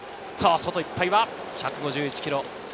外いっぱいは１５１キロ。